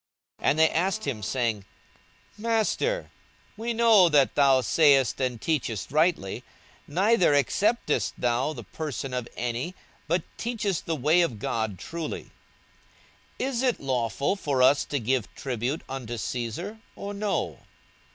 42:020:021 And they asked him, saying, Master, we know that thou sayest and teachest rightly, neither acceptest thou the person of any, but teachest the way of God truly: 42:020:022 Is it lawful for us to give tribute unto Caesar, or no?